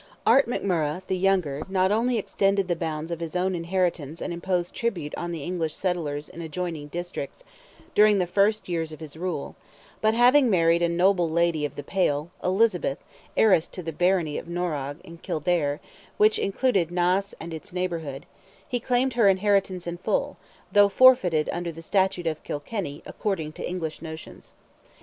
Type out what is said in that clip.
Art McMurrogh, the younger, not only extended the bounds of his own inheritance and imposed tribute on the English settlers in adjoining districts, during the first years of his rule, but having married a noble lady of the "Pale," Elizabeth, heiress to the barony of Norragh, in Kildare, which included Naas and its neighbourhood, he claimed her inheritance in full, though forfeited under "the statute of Kilkenny," according to English notions.